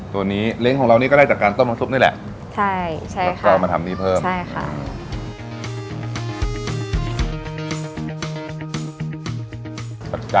ตัวนี้เล้งของเรานี่ก็ได้จากการต้มน้ำซุปนี่แหละแล้วก็เอามาทำนี้เพิ่มใช่ค่ะ